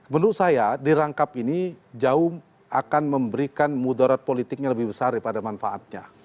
menurut saya dirangkap ini jauh akan memberikan mudarat politiknya lebih besar daripada manfaatnya